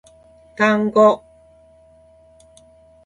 単語